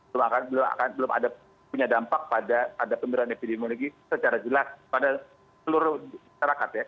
semangat belum punya dampak pada pemberian epidemiologi secara jelas pada seluruh masyarakat